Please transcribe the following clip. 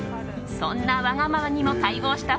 そんなわがままにも対応した